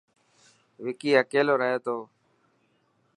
وڪي اڪيلو رهي تو.